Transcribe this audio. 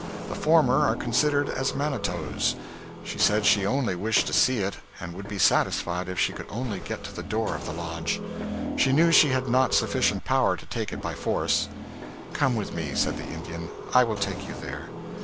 The former are considered as manitoes. She said she only wished to see it, and would be satisfied if she could only get to the door of the lodge. She knew she had not sufficient power to take it by force. 'Come with me,' said the Indian, 'I will take you there.'